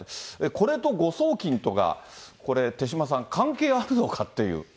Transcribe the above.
これと誤送金とが、これ、手嶋さん、関係あるのかっていう。